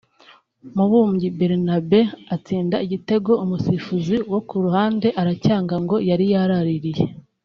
Mubumbyi Bernabe atsinda igitego umusifuzi wo ku ruhande aracyanga ngo yari yarariye